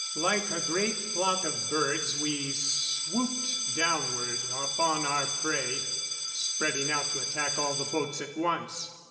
Like a great flock of birds we swooped downward upon our prey, spreading out to attack all the boats at once.